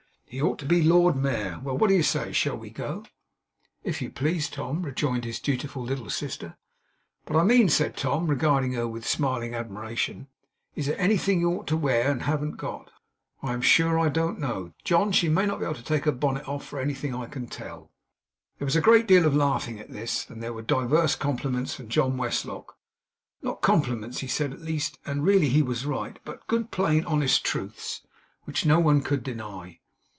He ought to be Lord Mayor. Well! what do you say? Shall we go?' 'If you please, Tom,' rejoined his dutiful little sister. 'But I mean,' said Tom, regarding her with smiling admiration; 'is there anything you ought to wear, and haven't got? I am sure I don't know, John; she may not be able to take her bonnet off, for anything I can tell.' There was a great deal of laughing at this, and there were divers compliments from John Westlock not compliments HE said at least (and really he was right), but good, plain, honest truths, which no one could deny.